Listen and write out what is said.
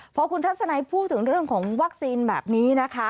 พอคุณทัศนัยพูดถึงเรื่องของวัคซีนแบบนี้นะคะ